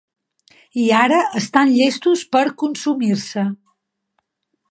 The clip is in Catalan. I ara estan llestos per consumir-se.